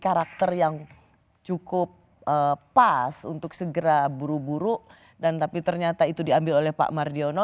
karakter yang cukup pas untuk segera buru buru dan tapi ternyata itu diambil oleh pak mardiono